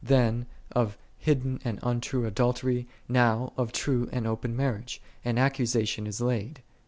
then of hidden and untrue adultery, now of true and open marriage, an accusation is laid.